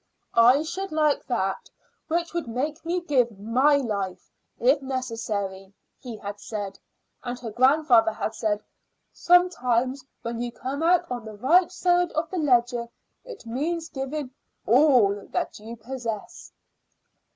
"I should like that which would make me give my life if necessary," he had said; and her grandfather had said, "Sometimes when you come out on the right side of the ledger it means giving all that you possess."